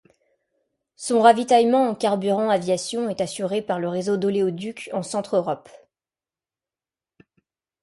Son ravitaillement en carburant aviation est assuré par le réseau d'oléoducs en Centre-Europe.